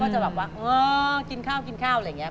ก็จะแบบกินข้าวอะไรงี้